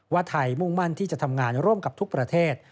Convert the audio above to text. ไทยมุ่งมั่นที่จะทำงานร่วมกับทุกประเทศ